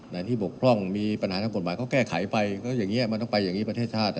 ไหนที่บกพร่องมีปัญหาทางกฎหมายก็แก้ไขไปก็อย่างนี้มันต้องไปอย่างนี้ประเทศชาติ